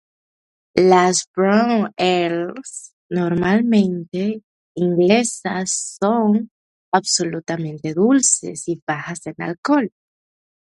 Las "brown ales" normalmente inglesas son absolutamente dulces y bajas en alcohol.